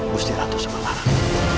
busti ratu subanglarang